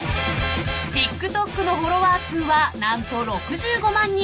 ［ＴｉｋＴｏｋのフォロワー数は何と６５万人］